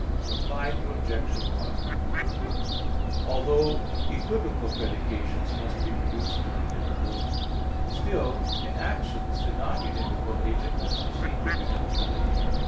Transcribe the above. Reply Obj. 1: Although equivocal predications must be reduced to univocal, still in actions, the non univocal agent must precede the univocal agent.